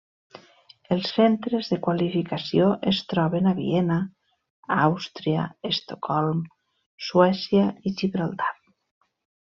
Els centres de qualificació es troben a Viena, Àustria, Estocolm, Suècia i Gibraltar.